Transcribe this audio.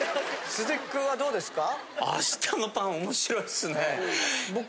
鈴木君はどうですか？